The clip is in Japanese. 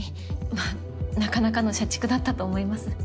まあなかなかの社畜だったと思います。